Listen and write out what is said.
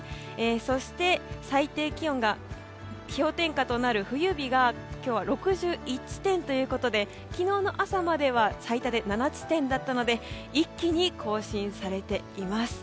そして、最低気温が氷点下となる冬日が今日は６１地点ということで昨日の朝までは最多で７地点だったので一気に更新されています。